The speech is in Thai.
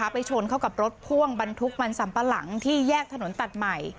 ไปชนเข้ากับรถพ่วงบรรทุกมันสัมปะหลังที่แยกถนนตัดใหม่